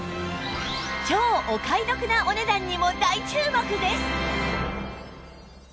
超お買い得なお値段にも大注目です！